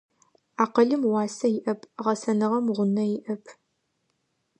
Акъылым уасэ иӏэп, гъэсэныгъэм гъунэ иӏэп.